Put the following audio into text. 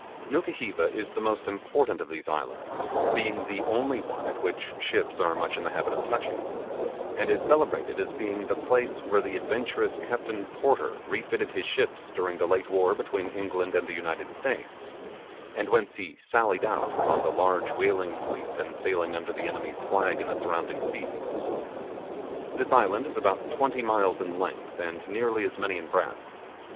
Nukuheva is the most important of these islands, being the only one at which ships are much in the habit of touching, and is celebrated as being the place where the adventurous Captain Porter refitted his ships during the late war between England and the United States, and whence he sallied out upon the large whaling fleet then sailing under the enemy's flag in the surrounding seas. This island is about twenty miles in length and nearly as many in breadth.